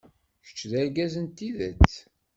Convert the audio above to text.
Kečč d argaz n tidet.